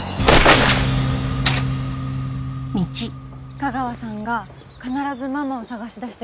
架川さんが必ずママを捜し出してくれるから。